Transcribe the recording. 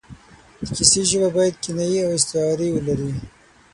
د کیسې ژبه باید کنایې او استعارې ولري.